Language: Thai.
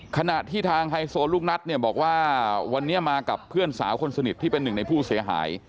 ขณะที่ทางไฮโซลูกนัทเนี่ยบอกว่าวันนี้มากับเพื่อนสาวคนสนิทที่เป็นหนึ่งในผู้เสียหาย